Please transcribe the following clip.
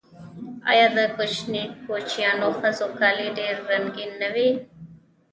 آیا د کوچیانیو ښځو کالي ډیر رنګین نه وي؟